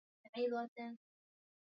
Kupima afya za wanyama mara kwa mara